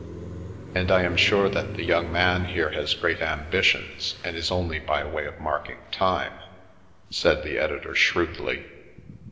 "And I am sure that the young man here has great ambitions and is only by way of marking time," said the editor shrewdly.